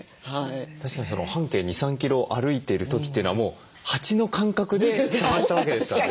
確かに半径２３キロを歩いている時というのはもう蜂の感覚で探したわけですからね。